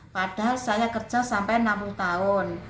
lima puluh delapan padahal saya kerja sampai enam puluh tahun